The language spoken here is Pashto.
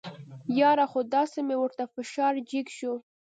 یاره خو داسې مې ورته فشار جګ شو.